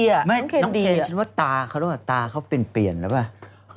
ยังว่าตาเขาเป็นเปลี่ยนแล้วไหม